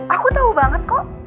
aku tau banget kok